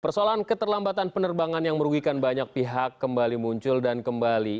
persoalan keterlambatan penerbangan yang merugikan banyak pihak kembali muncul dan kembali